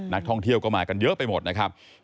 นักท่องเที่ยวก็มากันเยอะไปหมดนะครับ